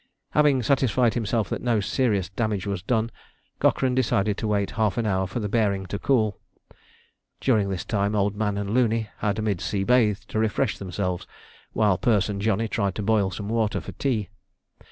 Having satisfied himself that no serious damage was done, Cochrane decided to wait half an hour for the bearing to cool. During this time Old Man and Looney had a mid sea bathe to refresh themselves, while Perce and Johnny tried to boil some water for tea.